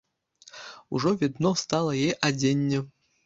Ужо відно стала яе адзенне.